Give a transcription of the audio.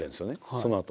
そのあと。